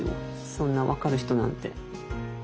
そんな分かる人なんて。